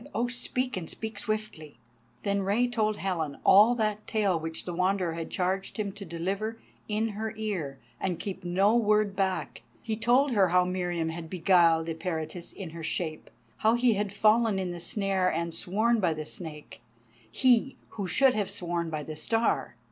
"Oh, speak, and speak swiftly." Then Rei told Helen all that tale which the Wanderer had charged him to deliver in her ear, and keep no word back. He told her how Meriamun had beguiled Eperitus in her shape; how he had fallen in the snare and sworn by the Snake, he who should have sworn by the Star.